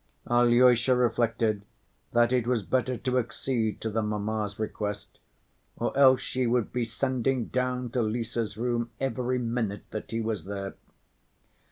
Alyosha reflected that it was better to accede to the mamma's request, or else she would be sending down to Lise's room every minute that he was there.